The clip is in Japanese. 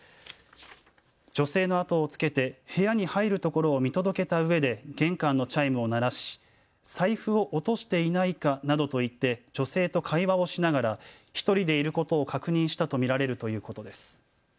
女性の後をつけて部屋に入るところを見届けたうえで玄関のチャイムを鳴らし、財布を落としていないかなどと言って女性と会話をしながら１人でいることを確認したと見られるということです。